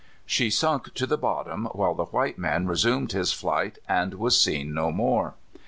She sank to the bottom, while the white man resumed his flight, and was seen no more.